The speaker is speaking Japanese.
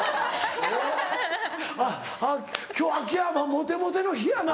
今日秋山モテモテの日やな。